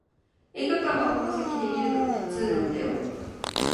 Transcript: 映画館はこの席で観るのが通なんだよ